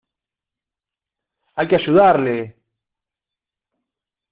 ¡ Hay que ayudarle!